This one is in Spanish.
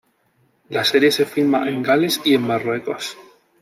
La serie se filma en Gales y en Marruecos.